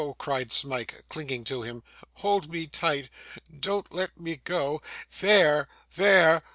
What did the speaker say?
cried Smike, clinging to him. 'Hold me tight. Don't let me go. There, there.